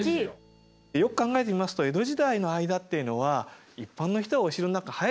よく考えてみますと江戸時代の間っていうのは一般の人はお城の中入ることもできませんでしたので。